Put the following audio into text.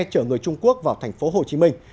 chở người trung quốc vào thành phố hồ chí minh